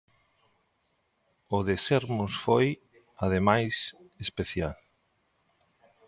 O de Sermos foi, ademais, especial.